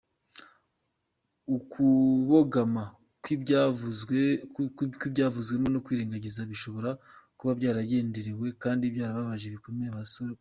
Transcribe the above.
Ukubogama kw’ibyavuzwemo no kwirengagiza bishobora kuba byaragenderewe, kandi byababaje bikomeye abarokotse.